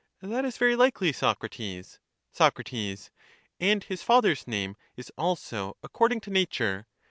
That is very likely, Socrates. Soc. And his father's name is also according to nature.